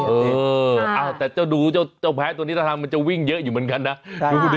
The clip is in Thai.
เออแต่เจ้าดูเจ้าแพ้ตัวนี้ถ้าทางมันจะวิ่งเยอะอยู่เหมือนกันนะ